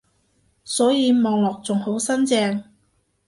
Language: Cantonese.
所以望落仲好新淨